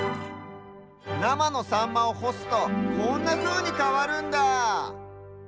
なまのサンマをほすとこんなふうにかわるんだ！